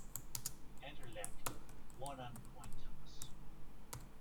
Anderlecht won on coin toss.